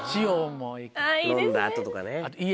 飲んだ後とかね。